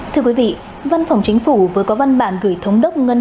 thưa quý vị văn phòng chính phủ vừa có văn bản gửi thống đốc ngân